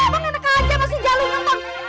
bang enak aja masih jalur nonton